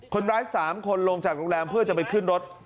คนร้าย๓คนลงจากโรงแรมเพื่อจะไปขึ้นรถ